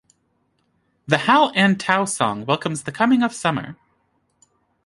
The Hal an Tow song welcomes the coming of summer.